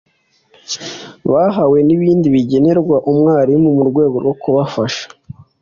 bahawe n’ibindi bigenerwa umwarimu mu rwego rwo kubafasha